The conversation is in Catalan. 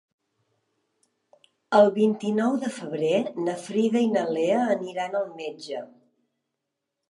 El vint-i-nou de febrer na Frida i na Lea aniran al metge.